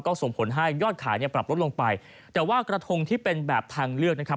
ก็ส่งผลให้ยอดขายเนี่ยปรับลดลงไปแต่ว่ากระทงที่เป็นแบบทางเลือกนะครับ